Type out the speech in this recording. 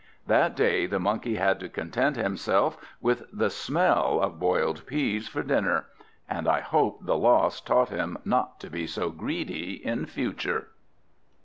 That day the Monkey had to content himself with the smell of boiled peas for dinner, and I hope the loss taught him not to be so greedy in future.